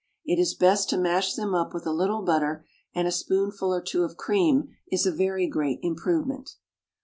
It is best to mash them up with a little butter, and a spoonful or two of cream is a very great improvement.